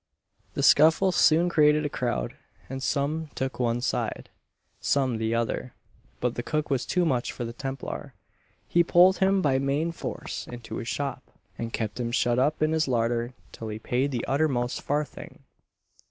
The scuffle soon created a crowd, and some took one side, some the other; but the cook was too much for the Templar he pulled him by main force into his shop, and kept him shut up in his larder till he paid the uttermost farthing!